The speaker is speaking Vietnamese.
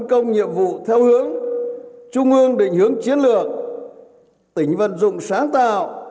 công nhiệm vụ theo hướng trung ương định hướng chiến lược tỉnh vận dụng sáng tạo